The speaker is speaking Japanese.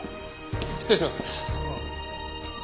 失礼します。